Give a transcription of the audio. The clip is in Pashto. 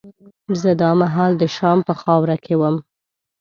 زه دا مهال د شام په خاوره کې وم.